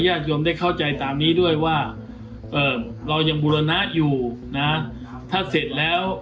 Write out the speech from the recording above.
ญาติโยมได้เข้าใจตามนี้ด้วยว่าเอ่อเรายังบูรณะอยู่นะถ้าเสร็จแล้ว